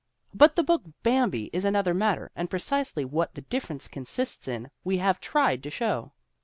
But the book Bambi is another matter and precisely what the difference consists in we have tried to show.